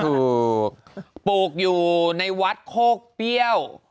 ปลูกอยู่ในวัดโคกเปรี้ยว